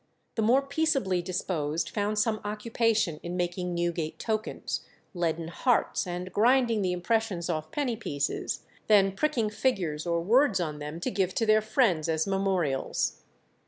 The more peaceably disposed found some occupation in making Newgate tokens, leaden hearts, and "grinding the impressions off penny pieces, then pricking figures or words on them to give to their friends as memorials."